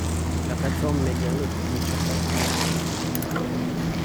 La plateforme médiane occupe une surface plus importante.